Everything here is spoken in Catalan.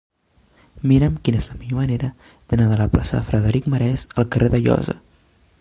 Mira'm quina és la millor manera d'anar de la plaça de Frederic Marès al carrer d'Alloza.